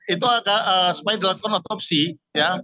itu supaya dilakukan otopsi ya